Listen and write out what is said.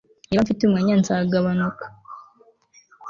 Niba mfite umwanya nzagabanuka